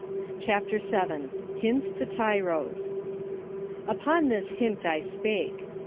CHAPTEE VII. HINTS TO TYROS. " Upon this hint I spake.'